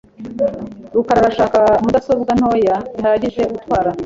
rukara arashaka mudasobwa ntoya bihagije gutwara .